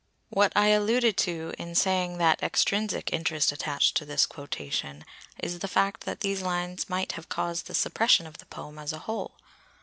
What I alluded to in saying that extrinsic interest attached to this quotation, is the fact that these lines might have caused the suppression of the poem as a whole.